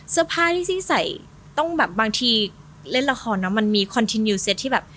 เสื้อผ้าที่ซี่ใส่ต้องแบบบางทีเล่นละครเนอะมันมีคอนทินยูเซตที่แบบ